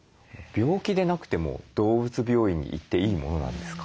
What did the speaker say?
病気でなくても動物病院に行っていいものなんですか？